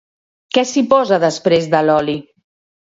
Què s'hi posa després de l'oli?